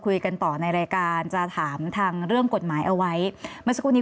คุยกันต่อในรายการจะถามทางเรื่องกฎหมายเอาไว้เมื่อสักครู่นี้